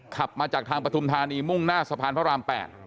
ขับมาจากทางปฐุมธานีมุ่งหน้าสะพานพระราม๘